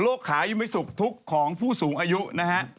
โรคขาอยู่ไม่สุกทุกของผู้สูงอายุนะฮะ